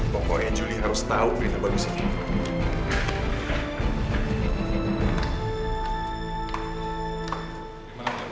pokoknya juli harus tahu bila bagus ini